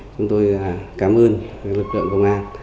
chúng tôi cảm ơn lực lượng công an